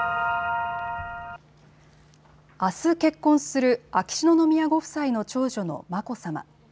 あす結婚する秋篠宮ご夫妻の長女の眞子さま。